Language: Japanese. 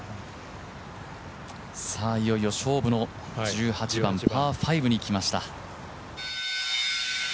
さあ、いよいよ勝負の１８番パー５に来ました。